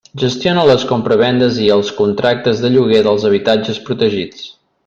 Gestiona les compravendes i els contractes de lloguer dels habitatges protegits.